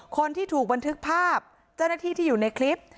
คนที่ถูกบันทึกภาพเจ้าหน้าที่ที่อยู่ในคลิป